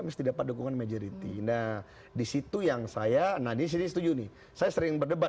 mesti dapat dukungan majoriti nah disitu yang saya nadiri setuju nih saya sering berdebat